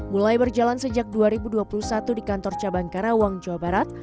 mulai berjalan sejak dua ribu dua puluh satu di kantor cabang karawang jawa barat